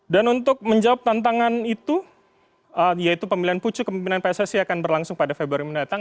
dan untuk menjawab tantangan itu yaitu pemilihan pucu kemimpinan pssi akan berlangsung pada februari mendatang